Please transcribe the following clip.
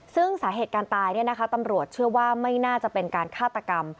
ซึ่งสาเหตุการตายตำรวจเชื่อว่าไม่น่าจะเป็นการฆาตกรรม